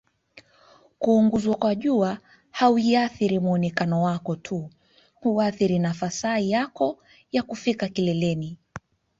kuunguzwa kwa jua haiathiri muonekano wako tu huathiri nafasai yako ya kufika kileleni